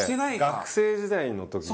学生時代の時に。